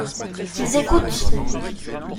Qu’ils écoutent !